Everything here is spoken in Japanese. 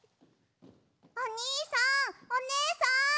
おにいさんおねえさん！